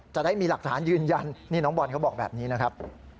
จะได้มีหลักฐานยืนยันนี่น้องบอลเขาบอกแบบนี้นะครับ